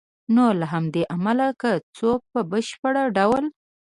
نو له همدې امله که څوک په بشپړ ډول